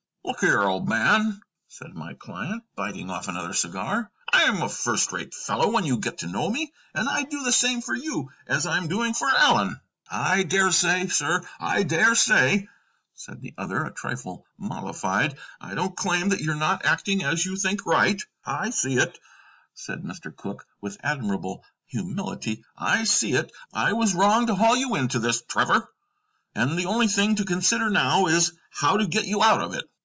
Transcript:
"Look here, old man," said my client, biting off another cigar, "I'm a first rate fellow when you get to know me, and I'd do the same for you as I'm doing for Allen." "I daresay, sir, I daresay," said the other, a trifle mollified; "I don't claim that you're not acting as you think right." "I see it," said Mr. Cooke, with admirable humility; "I see it. I was wrong to haul you into this, Trevor. And the only thing to consider now is, how to get you out of it."